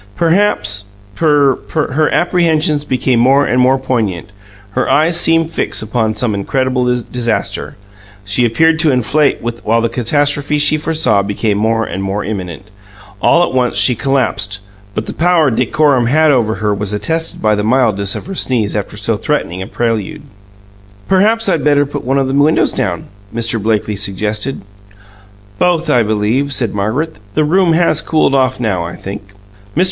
"Perhaps per per " Her apprehensions became more and more poignant; her eyes seemed fixed upon some incredible disaster; she appeared to inflate while the catastrophe she foresaw became more and more imminent. All at once she collapsed, but the power decorum had over her was attested by the mildness of her sneeze after so threatening a prelude. "Perhaps I'd better put one of the windows down," Mr. Blakely suggested. "Both, I believe," said Margaret. "The room has cooled off, now, I think." Mr.